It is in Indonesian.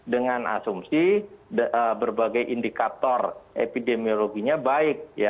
dengan asumsi berbagai indikator epidemiologinya baik